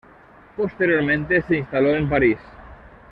Posteriormente se instaló en París.